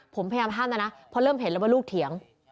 ผมพยายามห้ามแล้วนะเพราะเริ่มเห็นแล้วว่าลูกเถียง